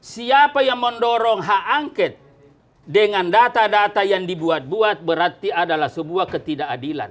siapa yang mendorong hak angket dengan data data yang dibuat buat berarti adalah sebuah ketidakadilan